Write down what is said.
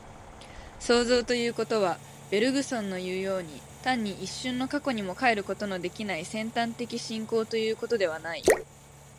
創造ということは、ベルグソンのいうように、単に一瞬の過去にも還ることのできない尖端的進行ということではない。